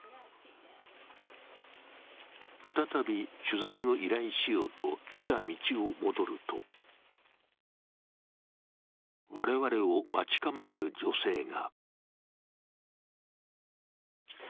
再び取材を依頼しようと来た道を戻ると我々を待ち構える女性が。